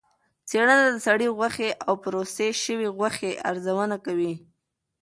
څېړنه د سرې غوښې او پروسس شوې غوښې ارزونه کوي.